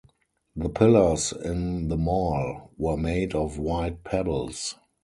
The pillars in the mall were made of white pebbles.